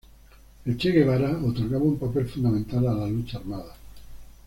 El Che Guevara otorgaba un papel fundamental a la lucha armada.